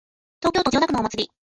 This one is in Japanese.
東京都千代田区のお祭り